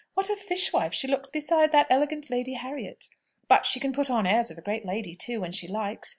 What a fish wife she looks beside that elegant Lady Harriet! But she can put on airs of a great lady too, when she likes.